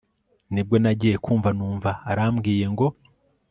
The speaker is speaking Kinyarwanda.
nibwo nagiye kumva numva arambwiye ngo…